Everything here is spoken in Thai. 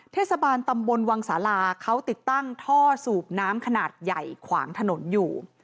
เทศบาลตำบลวังสาลาเขาติดตั้งท่อสูบน้ำขนาดใหญ่ขวางถนนอยู่